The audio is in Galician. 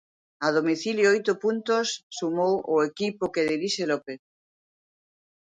A domicilio oito puntos sumou o equipo que dirixe López.